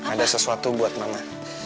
ada sesuatu buat mama